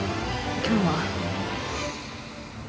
今日は。